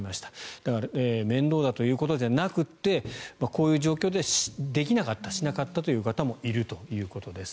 だから面倒だということでなくてこういう状況でできなかったしなかったという方もいるということです。